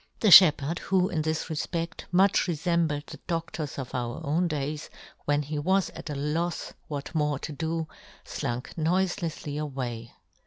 The fhepherd, who, in this refpedt, much refembled the dodtors of our own days, when he was at a lofs what more to do, flunk noifelefsly away.